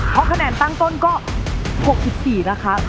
เพราะคะแนนตั้งต้นก็๖๔นะคะ